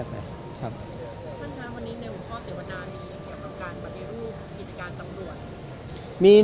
ท่านมาวันนี้ในหัวข้อเศรษฐ์วันนั้นมีเหตุการณ์บรรยากรูปอิจจารย์ตำรวจ